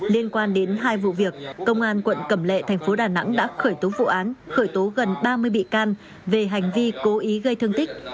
liên quan đến hai vụ việc công an quận cẩm lệ thành phố đà nẵng đã khởi tố vụ án khởi tố gần ba mươi bị can về hành vi cố ý gây thương tích